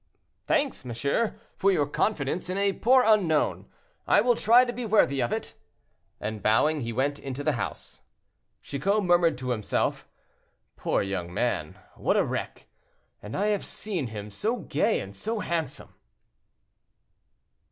"Thanks, monsieur, for your confidence in a poor unknown; I will try to be worthy of it;" and bowing, he went into the house. Chicot murmured to himself, "Poor young man, what a wreck, and I have seen him so gay and so handsome."